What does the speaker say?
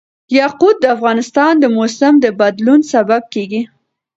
یاقوت د افغانستان د موسم د بدلون سبب کېږي.